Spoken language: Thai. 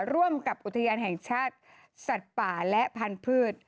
ร่วมกับอุทยานแห่งชาติสัตว์ป่าและพันธุ์